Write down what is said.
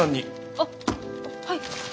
あっはい。